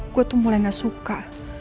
gue tuh mulai gak suka